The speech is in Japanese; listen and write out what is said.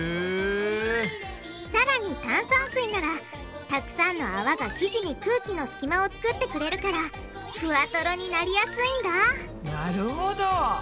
さらに炭酸水ならたくさんの泡が生地に空気の隙間を作ってくれるからフワトロになりやすいんだなるほど！